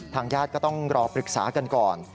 ญาติก็ต้องรอปรึกษากันก่อน